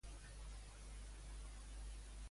Què fa el Comitè de Solidaritat Catalana?